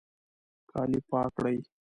کالي پاک کړئ